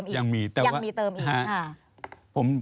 ยังมีเติมอีก